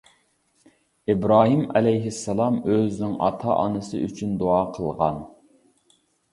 ئىبراھىم ئەلەيھىسسالام ئۆزىنىڭ ئاتا-ئانىسى ئۈچۈن دۇئا قىلغان.